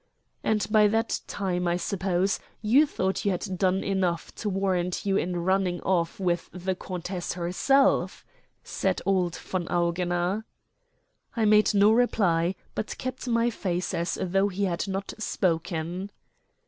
"And by that time, I suppose, you thought you had done enough to warrant you in running off with the countess herself?" said old von Augener. I made no reply, but kept my face as though he had not spoken.